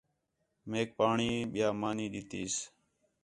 میک پاݨی، ٻِیا مانی ݙِتیس